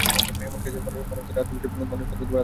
এমন কেসে, মানুষ তার নিজের আত্মবিশ্বাস হারিয়ে ফেলে।